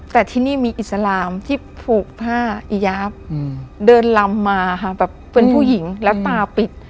แต่ที่นี่มีอิสลามที่ผูกผ้าอียาฟเดินลำมาค่ะแบบเป็นผู้หญิงแล้วตาปิด